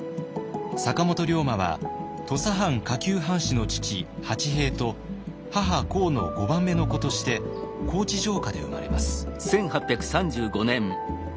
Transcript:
坂本龍馬は土佐藩下級藩士の父八平と母幸の５番目の子として高知城下で生まれます。